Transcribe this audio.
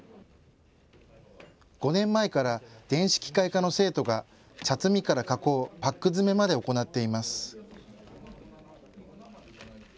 ５年前から電子機械科の生徒が茶摘みから加工、パック詰めまで行っています。